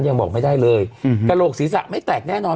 ยังบอกไม่ได้เลยแต่โรคศีรษะไม่แตกแน่นอน